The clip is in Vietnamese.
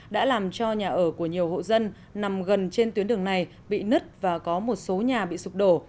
đã làm cho nhà ở của nhiều hộ dân nằm gần trên tuyến đường này bị nứt và có một số nhà bị sụp đổ